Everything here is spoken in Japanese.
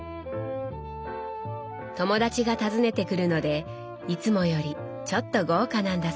友達が訪ねてくるのでいつもよりちょっと豪華なんだそう。